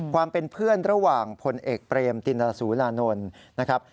ความเป็นเพื่อนระหว่างพลเอกเปรมตินรสุรานนท์นะครับ